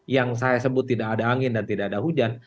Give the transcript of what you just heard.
yang saya sebut tidak ada angin dan tidak ada hujan